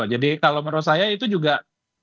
jadi kalau menurut saya itu juga menurutku